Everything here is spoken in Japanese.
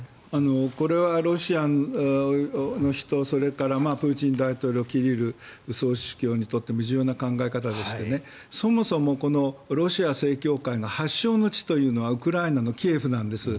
これはロシアの人それからプーチン大統領キリル総主教にとって非常に重要な考え方でしてそもそもロシア正教会の発祥の地というのがウクライナのキエフなんです。